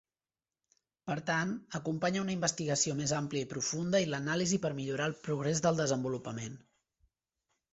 Per tant, acompanya una investigació més àmplia i profunda i l'anàlisi per millorar el progrés del desenvolupament.